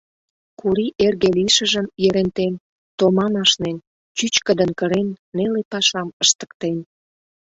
Кури эрге лийшыжым, Ерентем, томам ашнен, чӱчкыдын кырен, неле пашам ыштыктен.